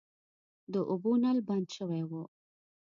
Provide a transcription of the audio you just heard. د اوبو نل بند شوی و.